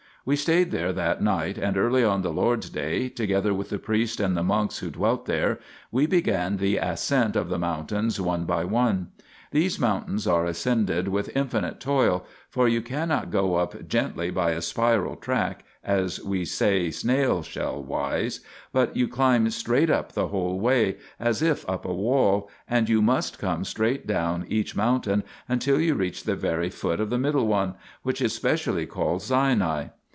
We stayed there that night, and early on the Lord's Day, together with the priest and the monks who dwelt there, we began the ascent of the mountains one by one. These mountains are ascended with infinite toil, for you cannot go up gently by a spiral 1 Exod. xix. 1 8, 20. 4 THE PILGRIMAGE OF ETHERIA track, as we say snail shell wise, but you climb straight up the whole way, as if up a wall, and you must come straight down each mountain until you reach the very foot of the middle one, which is specially called Sinai.